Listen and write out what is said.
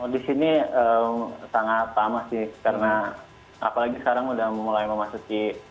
di sini sangat lama sih karena apalagi sekarang sudah mulai memasuki